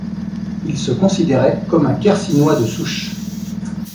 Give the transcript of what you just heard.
Il se considérait comme un Quercynois de souche.